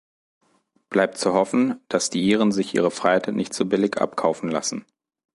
Bleibt zu hoffen, dass die Iren sich ihre Freiheit nicht so billig abkaufen lassen.